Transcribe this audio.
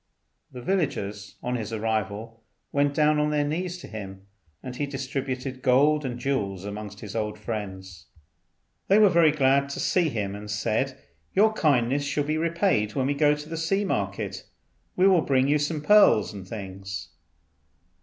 The villagers on his arrival went down on their knees to him, and he distributed gold and jewels amongst his old friends. They were very glad to see him, and said, "Your kindness shall be repaid when we go to the sea market; we will bring you some pearls and things."